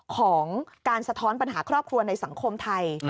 ของการสะท้อนปัญหาครอบครัวในสังคมไทย